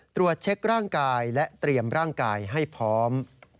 ตรวจเช็คร่างกายและเตรียมร่างกายให้พร้อม